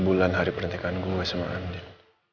besok empat bulan hari perintikan gue sama andien